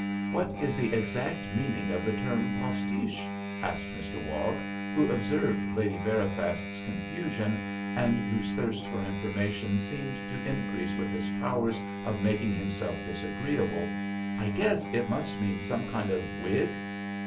"What is the exact meaning of the term postiche?" asked Mr Wog, who observed Lady Veriphast's confusion, and whose thirst for information seemed to increase with his powers of making himself disagreeable; "I guess it must mean some kind of wig."